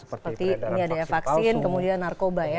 seperti ini adanya vaksin kemudian narkoba ya